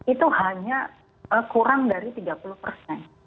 itu hanya kurang dari tiga puluh persen